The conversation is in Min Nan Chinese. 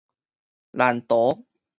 難逃